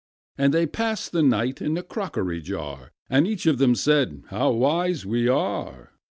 And they passed the night in a crockery jar; And each of them said, "How wise we are!